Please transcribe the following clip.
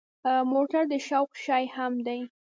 موټر د شوق شی هم دی.